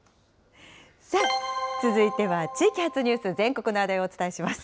さあ、続いては地域発ニュース、全国の話題をお伝えします。